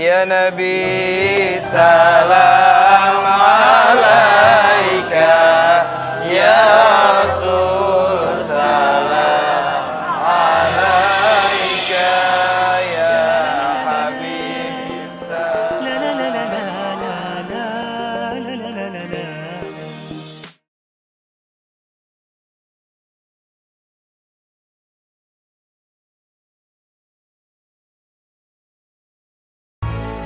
assalamualaikum warahmatullahi wabarakatuh